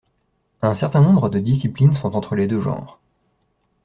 Un certain nombre de disciplines sont entre les deux genres.